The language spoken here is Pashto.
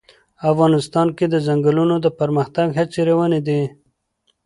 افغانستان کې د ځنګلونه د پرمختګ هڅې روانې دي.